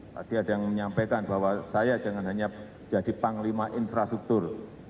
tadi ada yang menyampaikan bahwa saya jangan hanya jadi panglima infrastruktur